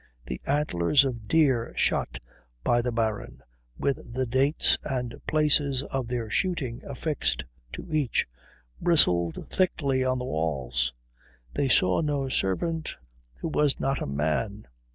The antlers of deer shot by the Baron, with the dates and places of their shooting affixed to each, bristled thickly on the walls. They saw no servant who was not a man.